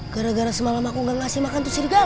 gara gara semalam aku gak ngasih makan tuh serigala